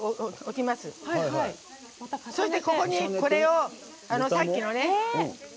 そして、ここにこれをさっきのね。